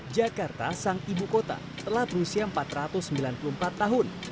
jakarta sang ibu kota telah berusia empat ratus sembilan puluh empat tahun